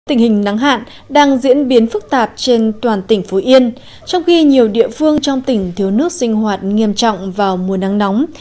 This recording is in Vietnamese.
tình hình nắng hạn đang diễn biến phức tạp trên toàn tỉnh phú yên trong khi nhiều địa phương trong tỉnh thiếu nước sinh hoạt nghiêm trọng vào mùa nắng nóng